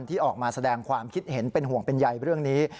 ที่ออกมาแสดงความคิดเห็นเป็นห่วงเป็นใยเรื่องนี้